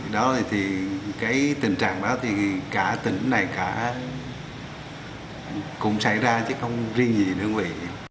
đó thì tình trạng đó thì cả tỉnh này cũng xảy ra chứ không riêng gì nữa vậy